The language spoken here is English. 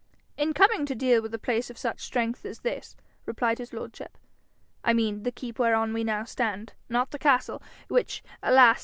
'In coming to deal with a place of such strength as this,' replied his lordship, ' I mean the keep whereon we now stand, not the castle, which, alas!